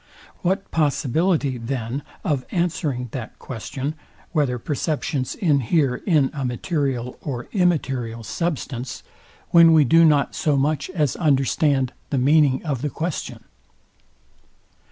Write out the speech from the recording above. What possibility then of answering that question, Whether perceptions inhere in a material or immaterial substance, when we do not so much as understand the meaning of the question?